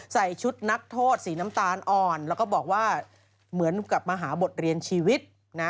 ใส่ชุดนักโทษสีน้ำตาลอ่อนแล้วก็บอกว่าเหมือนกับมาหาบทเรียนชีวิตนะ